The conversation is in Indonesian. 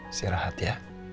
masih rahat ya